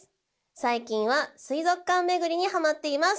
最近は水族館巡りにはまっています。